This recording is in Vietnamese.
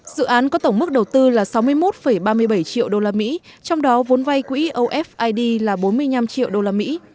dự án có tổng mức đầu tư là sáu mươi một ba mươi bảy triệu đô la mỹ trong đó vốn vay quỹ ofid là bốn mươi năm triệu đô la mỹ